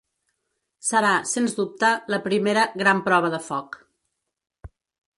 Serà, sens dubte, la primera gran prova de foc.